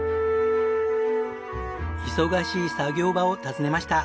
忙しい作業場を訪ねました。